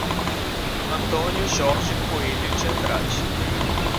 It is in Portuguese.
Antônio Jorge Coelho de Andrade